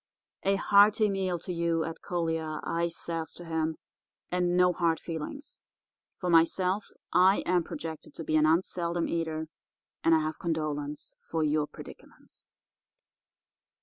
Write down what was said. "'A hearty meal to you, Ed Collier,' I says to him, 'and no hard feelings. For myself, I am projected to be an unseldom eater, and I have condolence for your predicaments.